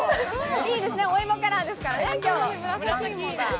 いいですね、お芋からですからね今日はね。